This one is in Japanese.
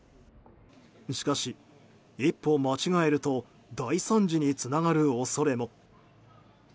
しかし、一歩間違えると大惨事につながる恐れも。